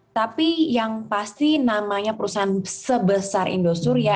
tapi yang pasti namanya perusahaan sebesar indosuria